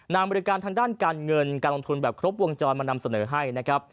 บริการทางด้านการเงินการลงทุนแบบครบวงจรมานำเสนอให้นะครับ